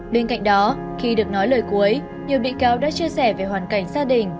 bên cạnh đó khi được nói lời cuối nhiều bị cáo đã chia sẻ về hoàn cảnh gia đình